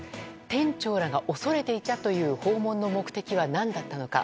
店長らが恐れていたという訪問の目的は何だったのか。